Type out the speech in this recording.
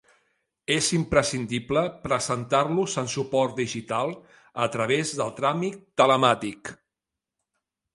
És imprescindible presentar-los en suport digital a través del tràmit telemàtic.